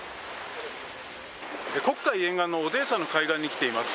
黒海沿岸のオデーサの海岸に来ています。